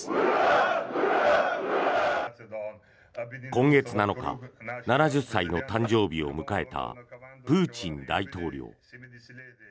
今月７日７０歳の誕生日を迎えたプーチン大統領。